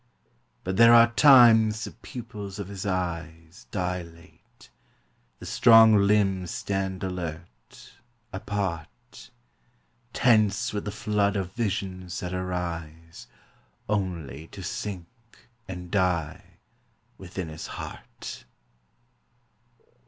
But there are times the pupils of his eyes Dilate, the strong limbs stand alert, apart, Tense with the flood of visions that arise Only to sink and die within his heart.